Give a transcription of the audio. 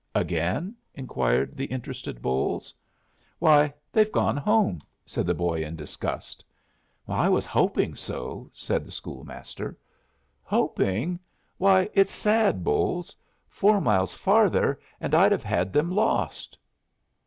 "Again?" inquired the interested Bolles. "Why, they've gone home!" said the boy, in disgust. "I was hoping so," said the school master. "Hoping? Why, it's sad, Bolles. Four miles farther and I'd have had them lost."